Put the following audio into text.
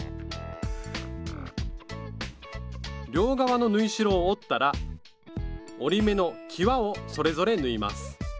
両側の縫い代を折ったら折り目のきわをそれぞれ縫います。